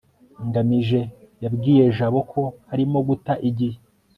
ngamije yabwiye jabo ko arimo guta igihe